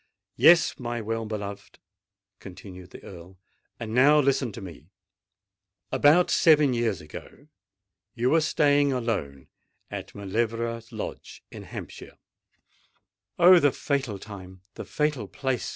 "Yes, my well beloved," continued the Earl. "And now listen to me. About seven years ago you were staying alone at Mauleverer Lodge in Hampshire——" "Oh! the fatal time—the fatal place!"